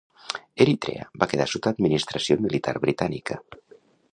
Eritrea va quedar sota administració militar britànica.